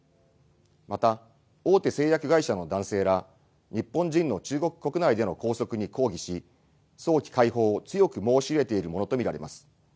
また大手製薬会社の男性ら日本人の中国国内での拘束に抗議し早期解放を強く申し入れているものと見られます。